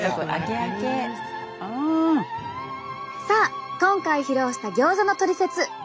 さあ今回披露したギョーザのトリセツ。